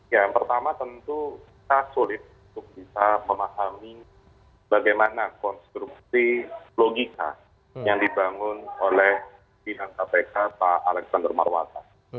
yang pertama tentu tak sulit untuk kita memahami bagaimana konstruksi logika yang dibangun oleh binan kpk pak alexander marwata